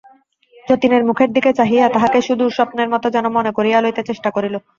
যতীনের মুখের দিকে চাহিয়া তাহাকে সুদূর স্বপ্নের মতো যেন মনে করিয়া লইতে চেষ্টা করিল।